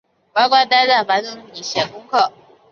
乖乖待在房里写功课